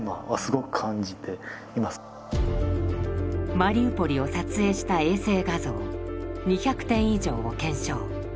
マリウポリを撮影した衛星画像２００点以上を検証。